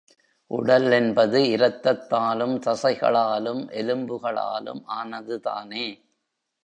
உடல் என்பது இரத்தத்தாலும் தசைகளாலும் எலும்புகளாலும் ஆனதுதானே?